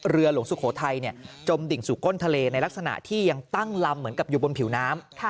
หลวงสุโขทัยจมดิ่งสู่ก้นทะเลในลักษณะที่ยังตั้งลำเหมือนกับอยู่บนผิวน้ำ